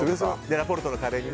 ラ・ポルトのカレーに。